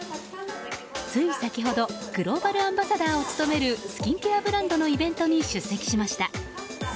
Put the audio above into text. つい先ほどグローバルアンバサダーを務めるスキンケアブランドのイベントに出席しました。